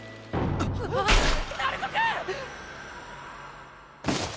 鳴子くん！